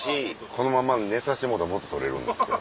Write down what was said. このまま寝させてもろうたらもっと取れるんですけど。